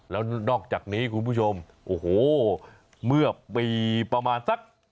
แล้วนอกจากนี้คุณผู้ชมโอ้โหเมื่อปีประมาณสัก